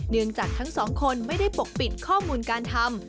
เนื่องจากทั้งสองคนไม่ได้ปกปิดข้อมูลการทำ